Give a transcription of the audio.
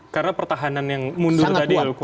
karena pertahanan yang mundur tadi loh